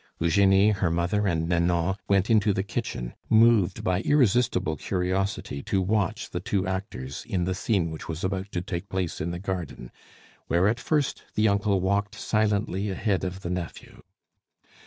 Eugenie, her mother, and Nanon went into the kitchen, moved by irresistible curiosity to watch the two actors in the scene which was about to take place in the garden, where at first the uncle walked silently ahead of the nephew.